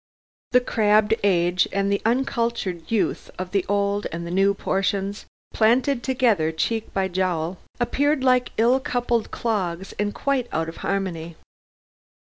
The crabbed age and the uncultured youth of the old and new portions, planted together cheek by jowl, appeared like ill coupled clogs and quite out of harmony.